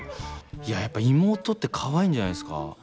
いややっぱ妹ってかわいいんじゃないですか。